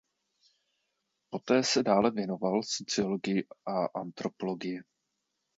Poté se dále věnoval sociologii a antropologii.